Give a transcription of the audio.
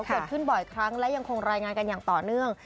เกิดขึ้นบ่อยครั้งและยังคงรายงานกันอย่างต่อเนื่อง